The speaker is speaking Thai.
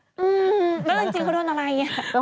อืมแล้วจริงเขาโดนอะไรเนี่ย